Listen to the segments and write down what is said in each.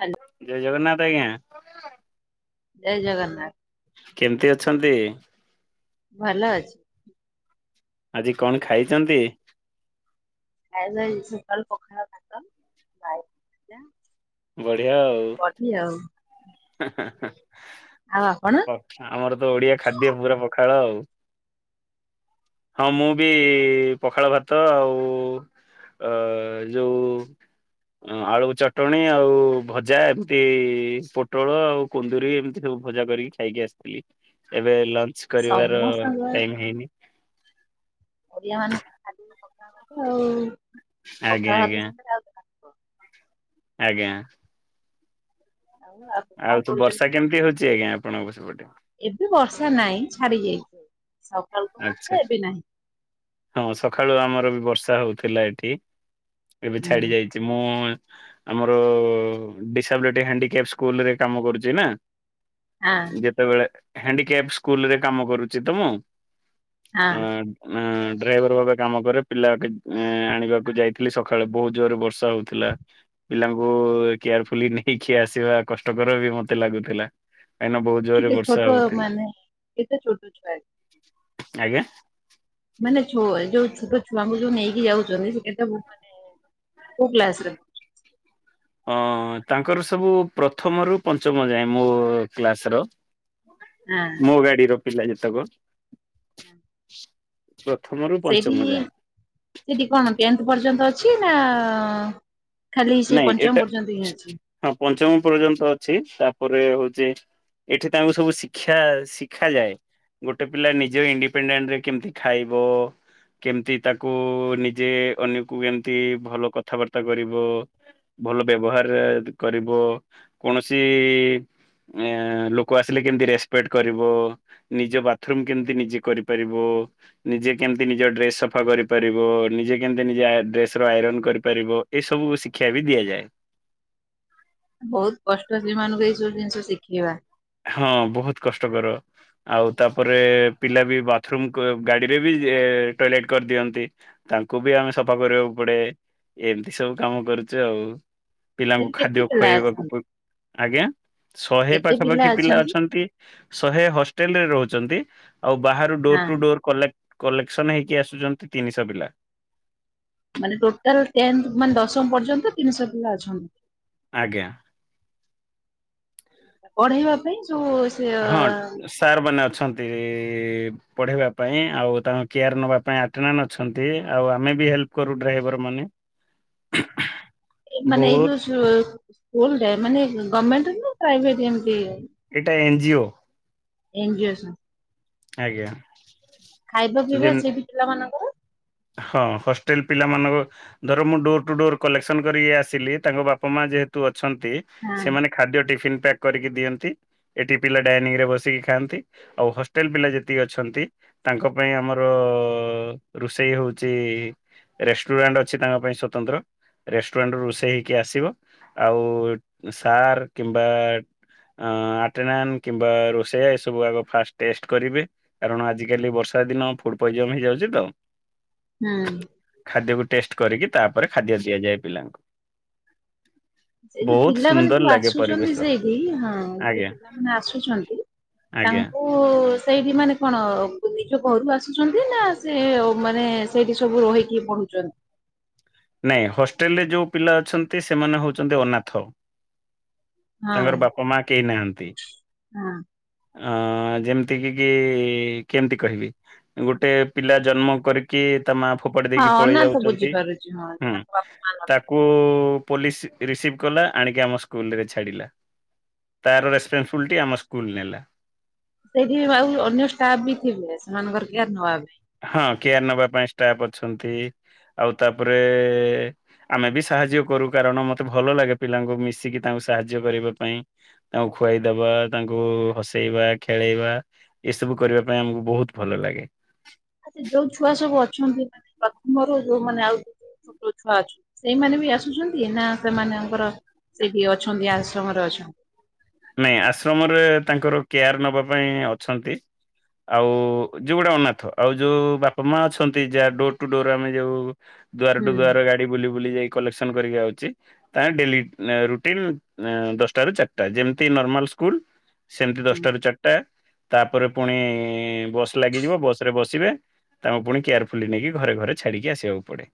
Hello ଜୟ ଜଗନ୍ନାଥ ଆଜ୍ଞା। ଜୟ ଜଗନ୍ନାଥ। କେମିତି ଅଛନ୍ତି? ଭଲ ଅଛି। ଆଜି କଣ ଖାଇଛନ୍ତି? ଖାଇଚି ଆଜି ସକାଳୁ ପଖାଳ ଭାତ, ଆଳୁ ଭଜା। ବଢିଆ ଆଉ। ବଡି ଆଉ ହାଁ ହାଁ ହାଁ। ଆଉ ଆପଣ? ଆମର ତ ଓଡିଆ ଖାଦ୍ୟ ପୁରା ପଖାଳ ଆଉ। ହଁ ମୁଁ ବି ପଖାଳ ଭାତ ଆଉ ଅ ଯୋଉ ଅଁ ଆଳୁ ଚଟଣି, ଆଉ ଭଜା ଏମିତି ପୋଟଳ ଆଉ କୁନ୍ଦୁରି ଏମିତି ସବୁ ଭଜା କରିକି ଖାଇକି ଆସିଥିଲି। ଏବେ ଲଞ୍ଚ କରିବାର ସମସ୍ତଙ୍କ ଟାଇମ ହେଇନି। ଓଡିଆ ମାନେ ଖାଲି ତ ପଖାଳ ଭାତ ଆଉ ଆଜ୍ଞା ପଖାଳ ଆଜ୍ଞା ଭାତ ସାଙ୍ଗରେ ଆଉ କଣ? ଆଜ୍ଞା। ଆଉ ଆପଣ କଣ ଆଉ ତୁ କରୁଛନ୍ତି ବର୍ଷା ଏବେ? କେମିତି ହଉଚି ଆଜ୍ଞା ଆପଣଙ୍କ ସେପଟେ? ଏବେ ବର୍ଷା ନାଇଁ ଛାଡି ଯାଇଛି ସକାଳଠୁ ଆଚ୍ଛା। ହଉଥିଲା ଏବେ ନାହିଁ। ହଁ ସକାଳୁ ଆମର ବି ବର୍ଷା ହଉଥିଲା ଏଠି। ଏବେ ହୁଁ ଛାଡି ଯାଇ ଚି ମୁଁ ଆମର ଡିଶାବେଲେଟ୍ ହ୍ୟାଣ୍ଡିକ୍ୟାପ ସ୍କୁଲ ରେ କାମ କରୁଚି ନା। ହଁ ଯେତେବେଳେ ହ୍ୟାଣ୍ଡିକ୍ୟାପ ସ୍କୁଲ ରେ କାମ କରୁଚି ତ ମୁଁ। ହଁ। ଉଁ। ଡ୍ରାଇଭର ଭାବେ କାମ କରେ। ପିଲା କେତ୍ ଏଁ ଆଣିବାକୁ ଯାଇଥିଲି ସକାଳେ ବହୁତ ଜୋରରେ ବର୍ଷା ହଉଥିଲା। ପିଲାଙ୍କୁ କେୟାରଫୁଲି ନେଇକି ଆସିବା କଷ୍ଟକର ବି ମତେ ଲାଗୁଥିଲା। କାଇଁ ନା ବହୁତ ଜୋରରେ କେତେ ବର୍ଷା ଛୋଟ ହଉଥିଲା ମାନେ କେତେ ଛୋଟ ଛୁଆ? ଆଜ୍ଞା। ମାନେ ଛୋ ଯଉ ଛୋଟ ଛୁଆଙ୍କୁ ଯୋଉ ନେଇକି ଯାଉଛନ୍ତି ସେମାନେ କୋଉ କ୍ଲାସରେ ହଁ ତାଙ୍କର ସବୁ ପ୍ରଥମରୁୁ ପଞ୍ଚମ ଯାଏ ମୋ କ୍ଲାସର ହଁ। ମୁଁ ଗାଡ଼ିର ପିଲା ଯେତେକ। ହଁ। ପ୍ରଥମରୁ ସେଇଠି ପଞ୍ଚମ ଯାଏଁ ସେଠି କଣ ଟେନ୍ଥ ପର୍ଯ୍ୟନ୍ତ ଅଛି ନାଆ ଖାଲି ସେ ନାଇଁ ଏଟା ପଞ୍ଚମ ପର୍ଯ୍ୟନ୍ତ ହିଁ ଅଛି ହଁ ପଞ୍ଚମ ପର୍ଯ୍ୟନ୍ତ ଅଛି ତାପରେ ହଉଛି ଏଠି ତାଙ୍କୁ ସବୁ ଶିକ୍ଷା ଶିଖାଯାଏ। ଗୋଟେ ପିଲା ନିଜେ ଇଣ୍ଡିପେଣ୍ଡେଣ୍ଟରେ କେମିତି ଖାଇବ? କେମିତି ତାକୁ ନିଜେ ଅନ୍ୟକୁ କେମିତି ଭଲ କଥାବାର୍ତ୍ତା କରିବ ଭଲ ବ୍ୟବହାରେ କରିବ କୌଣସି ଏ ଲୋକ ଆସିଲେ କେମିତି ରେସପେକ୍ଟ କରିବ ନିଜ ବାଥରୁମ କେମିତି ନିଜେ କରିପାରିବ। ନିଜେ କେମିତି ନିଜ ଡ୍ରେସ ସଫା କରିପାରିବ ନିଜେ କେମିତି ନିଜ ଆୟ ଡ୍ରେସର ଆଇରନ୍ କରିପାରିବ ଏ ସବୁ ଶିକ ଶିକ୍ଷା ବି ଦିଆଯାଏ। ବହୁତ କଷ୍ଟ ସେମାନଙ୍କୁ ଏଇ ସବୁ ଜିନିଷ ଶିଖେଇବା। ହଁ ବହୁତ କଷ୍ଟକର। ଆଉ ତାପରେ ପିଲା ବି ବାଥରୁମ କ ଗାଡିରେ ବି ଟଏଲେଟ କରିଦିଅନ୍ତି। ତାଙ୍କୁ ବି ଆମେ ସଫା କରିବାକୁ ପଡେ ଏମିତି ସବୁ କାମ କରୁଛୁ ଆଉ। ପିଲାଙ୍କୁ ସେଠି କେତେ ଖାଦ୍ୟ ପିଲା ଅଛନ୍ତି? ଖୁଆଇବାକୁ ଆଜ୍ଞା ଶହେ କେତେ ପାଖ ପିଲା ଅଛନ୍ତି? ନ୍ତି ଶହେ ହେଷ୍ଟେଲରେ ରହୁଚନ୍ତି ଆଉ ବାହାରୁ ଡୋର ହଁ ଟୁ ଡୋର କଲେ କଲେକ୍ସନ ହେଇକି ଆସୁଛନ୍ତି ତିନିଶହ ପିଲା। ମାନେ ଟୋଟାଲ ଟେନ୍ ମାନେ ଦଶମ ପର୍ଯ୍ୟନ୍ତ ତିନିଶହ ପିଲା ଅଛନ୍ତି। ଆଜ୍ଞା। ବଢେଇବା ପାଇଁ ଯୋଉ ସେ ହଁ ସାର୍ ମାନେ ଅଛନ୍ତି। ପଢେଇବା ପାଇଁ ଆଉ ତାଙ୍କ କେୟାର ନବା ପାଇଁ ଆଟନା ଅଛନ୍ତି ଆଉ ଆମେ ବି ହେଲ୍ପ କରୁ ଡ୍ରାଇଭର ମାନେ ହଁ ମାନେ ଏଇ ଯୋଉ ସ୍କୁଲରେ ମାନେ ଗମେଣ୍ଟ ନା ପ୍ରାଇଭେଟ ଏମିତି ଏଇଟା ଏନ୍ ଜିଓ। ଏନ୍ ଜିଓ ସନ ଆଜ୍ଞା। ଖାଇବା ପିଇବା ଯେମ ସେ ବି ପିଲାମାନଙ୍କର ହଁ ହଷ୍ଟେଲ ପିଲାମାନଙ୍କ ଧର ମୁଁ ଡୋର ଟୁ ଡୋର କଲେକ୍ସନ କରିକି ଆସିଲି ତାଙ୍କ ବାପା ମା ଯେହେତୁ ଅଛନ୍ତି ହଁ ସେମାନେ ଖାଦ୍ୟ ଟିଫନ୍ ପ୍ୟାକ୍ କରିକି ଦିଅନ୍ତି। ଏଠି ପିଲା ଡାଇନିଂରେ ବସିକି ଖାଆନ୍ତି ଆଉ ହଷ୍ଟେଲ ପିଲା ଯେତିକି ଅଛନ୍ତି। ତାଙ୍କ ପାଇଁ ଆମର ଅ ରୋଷେଇ ହଉଛି। ରେଷ୍ଟୁରାଣ୍ଟ ଅଛି ତାଙ୍କ ପାଇଁ ସ୍ଵତନ୍ତ୍ର। ରେଷ୍ଟୁରାଣ୍ଟରୁୁ ରୋଷେଇ ହେଇକି ଆସିବ ଆଉ ସାର୍ କିମ୍ବା ଆଟେନାନ କିମ୍ବା ରୋଷେଇୟା ଏସବୁ ଆଗ ଫାଷ୍ଟ ଟେଷ୍ଟ କରିବେ। କାରଣ ଆଜିକାଲି ବର୍ଷା ଦିନ ଫୁଡ ପଇଜମି ତ ହେଇଯାଉଛି ତ। ହୁଁ। ଖାଦ୍ୟକୁ ଟେଷ୍ଟ କରିକି ତାପରେ ଖାଦ୍ୟ ଦିଆଯାଏ ପିଲାଙ୍କୁ। ସେ ଯୋଉ ବହୁତ ପିଲାମାନେ ସୁନ୍ଦର ଯୋଉ ଲାଗେ ଆସୁଛନ୍ତି ପରିବେଶ ସେଇଠି ହଁ ଯୋଉ ଆଜ୍ଞା ପିଲାମାନେ ଆସୁଛନ୍ତି। ଆଜ୍ଞା। ତାଙ୍କୁ ସେଇଠି ମାନେ କଣ ନିଜ ଘରୁ ଆସୁଛନ୍ତି ନା ସେ ମାନେ ସେଇଠି ସବୁ ରହିକି ପଢୁଛନ୍ତି। ନାଇଁ ହଷ୍ଟେଲ୍ ରେ ଯୋଉ ପିଲା ଅଛନ୍ତି ସେମାନେ ହଉଛନ୍ତି ଅନାଥ। ହଁ ତାଙ୍କର ବାପା ମା କେହି ନାହାନ୍ତି। ହଁ। ଅ ଯେମିତିକି କି କେମତି କହିବି? ଗୋଟେ ପିଲା ଜନ୍ମ କରିକି ତା ମା ଫୋପାଡ଼ି ହଁ ଦେଇକି ପଳେଇ ଅନାଥ ଯାଉଛନ୍ତି। ବୁଝିପାରୁଛି ହଁ ହୁଁ। [unintelligible] ତାକୁ ପୋଲିସ୍ ରିସିଭ କଲା ଆଣିକି ଆମ ସ୍କୁଲରେ ଛାଡ଼ିଲା। ତା ର ରେସ୍ପନ୍ସିବିଲିଟି ଆମ ସ୍କୁଲ୍ ନେଲା। ସେଇଠି ଆଉ ଅନ୍ୟ ଷ୍ଟାଫ ବି ଥିବେ ସେମାନଙ୍କର କେୟାର ନବା ପାଇଁ ହଁ କେୟାର ନବା ପାଇଁ ଷ୍ଟାଫ ଅଛନ୍ତି ଆଉ ତାପରେ ଆମେ ବି ସାହାଯ୍ୟ କରୁ କାରଣ ମତେ ଭଲ ଲାଗେ ପିଲାଙ୍କୁ ମିଶିକି ତାଙ୍କୁ ସାହାଯ୍ୟ କରିବା ପାଇଁ। ତାଙ୍କୁ ଖୁଆଇଦବା ତାଙ୍କୁ ହସେଇବା ଖେଳେଇବା ଏସବୁ କରିବା ପାଇଁ ଆମକୁ ବହୁତ ଭଲ ଲାଗେ। ଆ ଯୋଉ ଛୁଆ ସବୁ ଅଛନ୍ତି ମାନେ ପ୍ରଥମରୁ ଯୋଉ ମାନେ ଆଉ ଛୋଟ ଛୁଆ ଅଛୁ ସେଇମାନେ ବି ଆସୁଛନ୍ତି ନା ସେମାନଙ୍କର ସେଠି ଅଛନ୍ତି ଆଶ୍ରମରେ ଅଛନ୍ତି। ନାଇଁ ଆଶ୍ରମରେ ତାଙ୍କର କେୟାର ନବା ପାଇଁ ଅଛନ୍ତି। ଆଉ ଯେଉଁଗୁଡ଼ା ଅନାଥ ଆଉ ଯୋଉ ବାପା ମା ଅଛନ୍ତି ଯାହା ଡୋର ଟୁ ଡୋର ଆମେ ଯୋଉ ଦୁଆର ହୁଁ ଟୁ ଦୁଆର ଗାଡ଼ି ବୁଲି ବୁଲି ଯାଇ କଲେକ୍ସନ କରିକି ଆଉଛି। ତା ଡେଲି ରୁଟିନ ଦଶଟା ରୁ ଚାରିଟା ଯେମ ତି ନର୍ମାଲ ସ୍କୁଲ ସେମିତି ହୁଁ। ଦଶଟାରୁ ଚାର ଟା ତାପରେ ପୁଣି ବସ ଲାଗିଯିବ ବସ ରେ ବସିବେ। ତାଙ୍କୁ ପୁଣି କେୟାରଫୁଲି ନେଇକି ଘରେ ଘରେ ଛାଡିକି ଆସିବାକୁ ପଡ଼େ।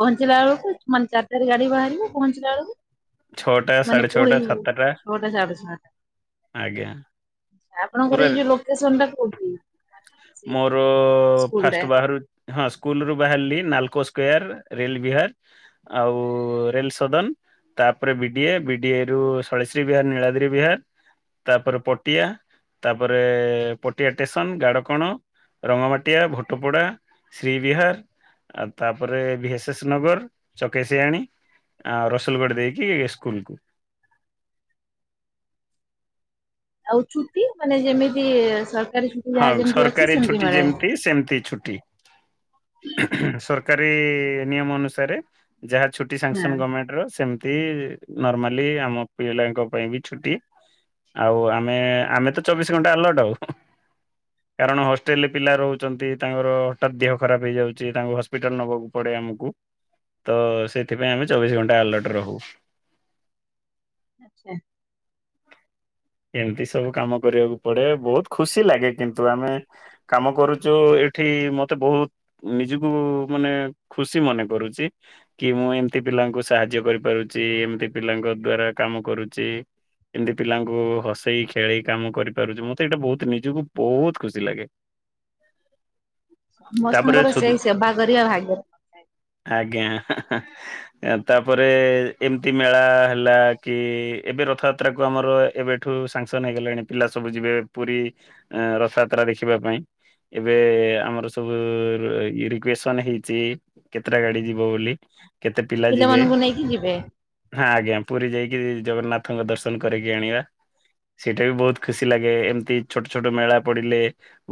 ପହଞ୍ଚିଲା ବେଳକୁ ମାନେ ଚାରି ଟାରେ ଗାଡ଼ି ବାହାରିବ ପହଞ୍ଚିଲା ବେଳକୁ ଛଅଟା ମାନେ ସାଢେ଼ ପୁଣି ଛଅଟା ସାତଟା ଛଅଟା ସାଢେ ଛଅଟା। ଆଜ୍ଞା! ଆପଣଙ୍କର ପୁରା ଏଇ ଯୋଉ ଲୋକେସନ ଟା କୋଉଠି? ସେଇ ମୋର ସ୍କୁଲ ଟା ଫାଷ୍ଟ ବାହାରୁ ହଁ ସ୍କୁଲ ରୁ ବାହାରିଲି ନାଲକୋ ସ୍କୋୟାର୍ ରେଲ୍ ବିହାର ଆଉ ରେଲ୍ ସଦନ୍ ତାପରେ ବିଡିଏ ବିଡିଏରୁୁ, ଶୈଳଶ୍ରୀ ବିହାର, ନୀଳାଦିି ବିହାର ତାପରେ ପଟିଆ। ତାପରେ ପଟିଆ ଟେସନ, ଗାଡ଼କଣ, ରଙ୍ଗମାଟିଆ ଭୋଟପଡ଼ା ଶ୍ରୀ ବିହାର ଆଉ ତାପରେ ବିଏସେଶ ନଗର, ଚକେସିଆଣୀ। ଆଉ ରସୁଲଗଡ଼ ଦେଇକି ସ୍କୁଲକୁୁ! ଆଉ ଛୁଟି ମାନେ ଯେମିତି ଛୁଟି ହଁ ଯାହା ଯେମିତି ଅଛି ସରକାରୀ ସେମିତି ଛୁଟି ମିଳେ। ଯେମତି ସେମତି ଛୁଟି। ସରକାରୀ ନିୟମ ଅନୁସାରେ ଯାହା ଛୁଟି ସାଙ୍ଗସନ ହଁ। ଗଭର୍ଣମେଣ୍ଟ ର ସେମିତି ନର୍ମାଲି ଆମ ପିଲାଙ୍କ ପାଇଁ ବି ଛୁଟି। ଆଉ ଆମେ ଆମେ ତ ଚବିଶ ଘଣ୍ଟା ଆଲଟ ଆଉ କାରଣ ହଷ୍ଟେଲରେ ପିଲା ରହୁଛନ୍ତି ତାଙ୍କର ହଠାତ୍ ଦେହ ଖରାପ ହେଇଯାଉଛି ତାଙ୍କୁ ହସ୍ପିଟାଲ ନବାକୁ ପଡ଼େ ଆମକୁ। ତ ସେଇଥିପାଇଁ ଆମେ ଚବିସି ଘଣ୍ଟା ଆଲର୍ଟ ରହୁ। ଆଚ୍ଛା। ଏମିତି ସବୁ କାମ କରିବାକୁ ପଡ଼େ ବହୁତ ଖୁସି ଲାଗେ। କିନ୍ତୁ ଆମେ କାମ କରୁଛୁ ଏଠି ମତେ ବହୁତ ନିଜକୁ ମାନେ ଖୁସି ମନେ କରୁଛି। କି ମୁଁ ଏମିତି ପିଲାଙ୍କୁ ସାହାଯ୍ୟ କରିପାରୁଛି ଏମିତି ପିଲାଙ୍କ ଦ୍ଵାରା କାମ କରୁଛି। ଏମତି ପିଲାଙ୍କୁ ହସେଇ ଖେଳେଇ କାମ କରିପାରୁଛି ମଁତେ ଏଇଟା ବହୁତ ନିଜୁକୁ ବହୁତ ଖୁସି ଲାଗେ! ତାପରେ ସମସ୍ତଙ୍କର ସୁ ସେଇ ସେବା କରିବା ଭାଗ ଆଜ୍ଞା ଆ ତାପରେ ଏମିତି ମେଳା ହେଲା କି ଏବେ ରଥଯାତ୍ରାକୁ ଆମର ଏବେଠୁ ସାଂସନ୍ ହେଇଗଲେଣି! ପିଲା ସବୁ ଯିବେ ପୁରୀ ରଥଯାତ୍ରା ଦେଖିବା ପାଇଁ! ଏବେ ଆମର ସବୁ ଇ ରିକ୍ୟୁଏସନ୍ ହେଇଚି। କେତେଟା ଗାଡି ଯିବ ବୋଲି କେତେ ପିଲା ଯିବେ? ପିଲାମାନଙ୍କୁ ନେଇକି ଯିବେ। ହଁ ଆଜ୍ଞା ପୁରୀ ଯାଇକି ଜଗନ୍ନାଥଙ୍କ ଦର୍ଶନ କରିକି ଆଣିବା। ସେଇଟା ବି ବହୁତ ଖୁସି ଲାଗେ ଏମିତି ଛୋଟ ଛୋଟ ମେଳା ପଡିଲେ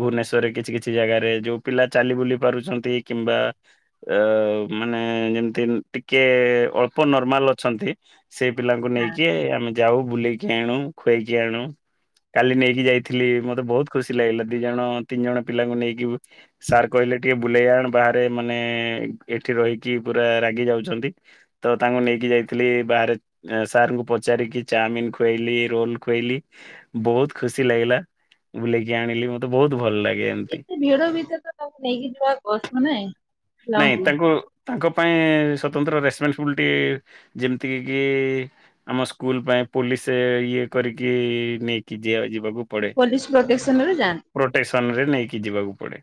ଭୁବନେଶ୍ଵରରେ କିଛି କିଛି ଜାଗାରେ ଯୋଉ ପିଲା ଚାଲି ବୁଲି ପାରୁଚନ୍ତି କିମ୍ବା ଅ ମାନେ ଯେମିତି ଟିକେ ଅଳ୍ପ ନର୍ମାଲ ଅଛନ୍ତି ସେ ପିଲାଙ୍କୁ ହଁ। ନେଇକି ଆମେ ଯାଉ ବୁଲେଇକି ଆଣୁ ଖୁଏଇକି ଆଣୁ କାଲି ନେଇକି ଯାଇଥିଲି ମତେ ତେ ବହୁତ ଖୁସି ଲାଗିଲା ଦି ଜଣ ତିନି ଜଣ ପିଲାଙ୍କୁ ନେଇକି ସାର୍ କହିଲେ ଟିକେ ବୁଲେଇ ଆଣ ବାହାରେ ମାନେ ଏଠି ରହିକି ପୁରା ରାଗି ଯାଉଚନ୍ତି ତ ତାଙ୍କୁ ନେଇକି ଯାଇଥିଲି ବାହାରେ ସାର୍ ଙ୍କୁ ପଚାରିକି ଚାଉମିିନ୍ ଖୁଆଇଲି ରୋଲ୍ ଖୁଆଇଲି ବହୁତ ଖୁସି ଲାଗିଲା। ବୁଲେଇକି ଆଣିଲି ମତେ ବହୁତ ଭଲ ଲାଗେ ଏମିତି। ଏତେ ଭିଡ ଭିତରେ ତ ତାଙ୍କୁ ନେଇକି ଯିବା କଷ୍ଟ ନାଇଁ? ନାଇଁ ପିଲାଙ୍କୁ ତାଙ୍କୁ ତାଙ୍କ ପାଇଁ ସ୍ୱତନ୍ତ୍ର ରେସପନ୍ସିବିଲିଟି ଯେମିତିକ କି ଆମ ସ୍କୁଲ ପାଇଁ ପୋଲିସ୍ ଇଏ କରିକି ନେଇକି ଯିବା ଯିବାକୁ ପୋଲିସ ପ୍ରୋଟେକ୍ସନରେ ଯାଆନ୍ତି? ପ୍ରଟେକ୍ସନରେ ନେଇକି ଯିବାକୁ ପଡେ।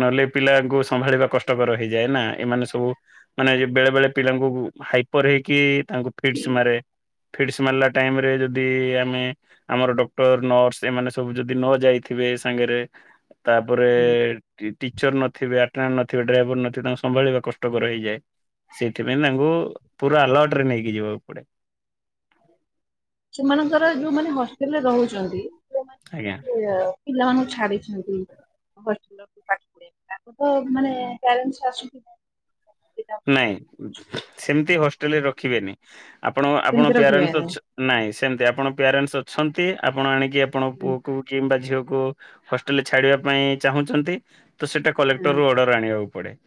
ନହେଲେ ପିଲାଙ୍କୁ ସମ୍ଭାଳିବା କଷ୍ଟକର ହେଇଯାଏ ନା ଏମାନେ ସବୁ ମାନେ ବେଳେ ବେଳେ ପିଲାଙ୍କୁ ହାଇପର୍ ହେଇକି ତାଙ୍କୁ ଫିଟସ ମାରେ ଫିଟସ ମାରିଲା ଟାଇମ ରେ ଯଦି ଆମେ ଆମର ଡକ୍ଟର ନର୍ସ ଏମାନେ ସବୁ ଯଦି ନ ଯାଇଥିବେ ସାଙ୍ଗରେ ତାପରେ ହୁଁ। ଟି ଟିଚର୍ ନଥିବେ ଟ୍ରନ୍ ନଥିବେ ଡ୍ରାଇଭର ନଥିବେ ତାଙ୍କୁ ସମ୍ଭାଳିବା କଷ୍ଟକର ହେଇଯାଏ ସେଥିପାଇଁ ତାଙ୍କୁ ପୁରା ଆଲର୍ଟ ରେ ନେଇକି ଯିବାକୁ ପଡେ। ସେମାନଙ୍କର ଯୋଉମାନେ ହେଷ୍ଟେଲରେ ରହୁଛନ୍ତି। ଯୋଉମାନେ ଆଜ୍ଞା। ପିଲାମାନଙ୍କୁ ଛାଡ଼ିଛନ୍ତି ହ ପାଠ ପଢେଇ ତାକୁ ତ ମାନେ ପ୍ୟାରେଣ୍ଟସ ଆସନ୍ତି ନାଇଁ ସେମିତି ହଷ୍ଟେଲରେ ରଖିବେନି ଆପଣ ଆପଣ ସେମିତି ରଖିବା ପ୍ୟାରେଣ୍ଟସ୍ ନାହିଁ ଅଛ ନାଇଁ ସେମିତି ଆପଣ ପ୍ୟାରେଣ୍ଟସ୍ ଅଛନ୍ତି ଆପଣ ଆଣିକି ଆପଣଙ୍କ ହୁଁ, ପୁଅକୁ କିମ୍ବା ଝିଅକୁ ହେଷ୍ଟେଲରେ ଛାଡିବା ପାଇଁ ଚାହୁଁଛନ୍ତି ତ ସେଟା ହଁ ହଁ। କଲେକ୍ଟରୁ ଅର୍ଡର ଆଣି ବାକୁ ପଡେ।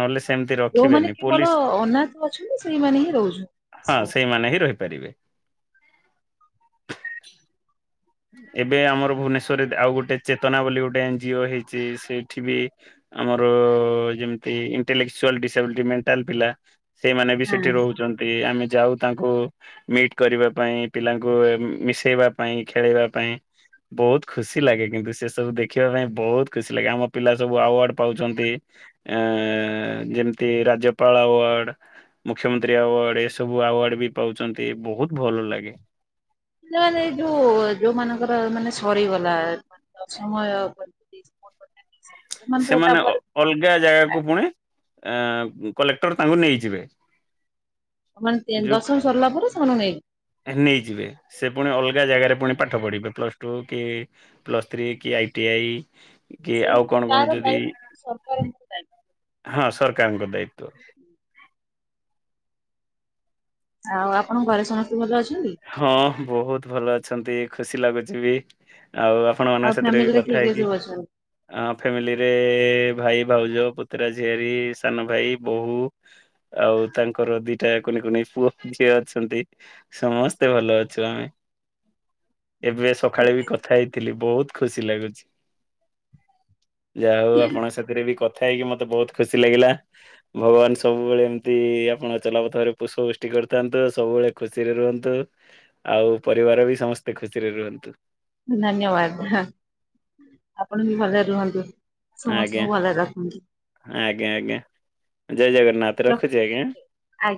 ନହେଲେ ସେମିତି ଯୋଉମାନେ ରଖିବେନି କେବଳ ପୋଲିସ୍ ଅନାଥ ଅଛନ୍ତି ସେଇମାନେ ହିଁ ରହୁଛନ୍ତି ହଁ ଆଶ୍ରମ ସେଇମାନେ ହିଁ ରହି ପାରିବେ ଏବେ ଆମର ଭୁବନେଶ୍ୱରରେ ଆଉ ଗୋଟେ ଚେତନା ବୋଲି ଗୋଟେ ଏନ୍ ଜିଓ ହେଇଛି ସେଇଠି ବି ଆମର ଯେମତି ଇଣ୍ଟେଲିକ୍ଚୁଆଲ୍ ଡିସାବିଲିଟି ମେଣ୍ଟାଲ୍ ପିଲା ସେମାନେ ବି ହଁ ସେଠି ରହୁଛ ନ୍ତି ଆମେ ଯାଉ ତାଙ୍କୁ ମିଟ୍ କରିବା ପାଇଁ ପିଲାଙ୍କୁ ମିଶେଇବା ପାଇଁ ଖେଳେଇବା ପାଇଁ ବହୁତ ଖୁସି ଲାଗେ କିନ୍ତୁ ସେ ସବୁ ଦେଖିବା ପାଇଁ ବହୁତ ଖୁସି ଲାଗେ ଆମ ପିଲା ସବୁ ଆୱାର୍ଡ ପାଉଛନ୍ତି ଆ ଯେମିତି ରାଜ୍ୟପାଳ ଆୱାର୍ଡ ମୁଖ୍ୟମନ୍ତ୍ରୀ ଆୱାର୍ଡ। ଏ ସବୁ ଆୱାର୍ଡ ବି ପାଉଛନ୍ତି ବହୁତ ଭଲ ଲାଗେ। ମାନେ ଏଇ ଯୋଉ ଯୋଉ ମାନଙ୍କର ମାନେ ସରିଗଲା ମାନେ ଦସମ [unintelligible] ସେମାନେ ଅ ଅଲଗା ଜାଗାକୁ ପୁଣି ଅ କଲେକ୍ଟର ତାଙ୍କୁ ନେଇଯିବେ। ମାନେ ଯୋଉ ଟେଣ୍ଡର୍ସ ସରିଲା ପରେ ସେମାନଙ୍କୁ ନେଇଜୀ ନେଇଯିବେ ସେ ପୁଣି ଅଲଗା ଜାଗାରେ ପୁଣି ପାଠ ପଢିବେ। ପ୍ଲସ ଟୁ କି ପ୍ଲସ୍ ଥ୍ରୀ କି ଆଇଟି ଆଇ କି ଆଉ କଣ କଣ ଯଦି ସରକାରଙ୍କୁ ହଁ ସରକାରଙ୍କ ଦାୟିତ୍ୱ। ଆଉ ଆପଣଙ୍କ ଘରେ ସମସ୍ତେ ଭଲ ଅଛନ୍ତି? ହଁ ବୋହୁତ ଭଲ ଅଛନ୍ତି ଖୁସି ଲାଗୁଚି ବି, ଆଉ ଆପଣ ଆଉ ମାନଙ୍କ ସେଥିରେ ବି ଫ୍ୟାମିଲିରେ କଥା କିଏ କିଏ ହେଇକି। ସବୁ ଅଛନ୍ତି? ଆ ଫ୍ୟାମିଲିରେ ଭାଇ ଭାଉଜ ପୁତୁରା ଝିଆରୀ ସାନ ଭାଇ ବୋଉ। ଆଉ ତାଙ୍କର ଦିଟା କୁନି କୁନି ପୁଅ ଝିଅ ଅଛନ୍ତି, ସମସ୍ତ ଏତେ ଭଲ ଅଛୁ ଆମେ, ଏବେ ସକାଳେ ଠିକ୍ ବି ଅଛି। କଥା ହେଇଥିଲି ବୋହୁତ ଖୁସି ଲାଗୁଚି। ଯାହା ହୋଉ ଆପଣଙ୍କ ସେଥିରେ ବି କଥା ହେଇକି ମତେ ବୋହୁତ ଖୁସି ଲାଗିଲା। ଭଗବାନ ସବୁବେଳେ ଏମିତି ଆପଣ ଚଲାପଥ ଭାବରେ ପୁଷ୍ପବୃଷ୍ଟି କରିଥାନ୍ତୁ ସବୁବେଳେ ଖୁସିରେ ରୁହନ୍ତୁ। ଆଉ ପରିବାର ବି ସମସ୍ତେ ଖୁସିରେ ରୁହନ୍ତୁ। ଧନ୍ୟବାଦ, ହଁ। ଆପଣ ବି ଭଲରେ ରୁହନ୍ତୁ, ଆଜ୍ଞା ସମସ୍ତଙ୍କୁ ଭଲରେ ରଖନ୍ତୁ। ଆଜ୍ଞା ଆଜ୍ଞା। ଜୟ ଜଗନ୍ନାଥ ରଖୁଚି ଆଜ୍ଞା। ଆ